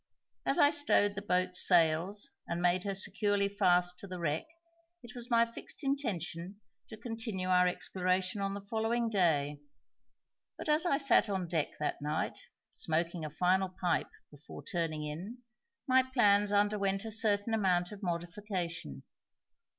As I stowed the boat's sails and made her securely fast to the wreck it was my fixed intention to continue our exploration on the following day, but as I sat on deck that night, smoking a final pipe before turning in, my plans underwent a certain amount of modification.